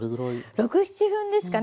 ６７分ですかね。